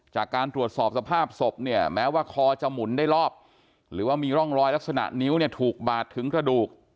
จากการตรวจสอบสภาพศพเนี่ยแม้ว่าคอจะหมุนได้รอบหรือว่ามีร่องรอยลักษณะนิ้วเนี่ยถูกบาดถึงกระดูก